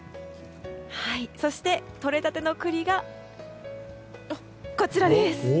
そしてとれたての栗がこちらです。